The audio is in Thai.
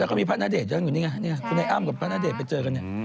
แล้วก็มีพระณเดชน์อยู่นี่ไงเนี่ยคุณไอ้อ้ำกับพระณเดชน์ไปเจอกันเนี่ย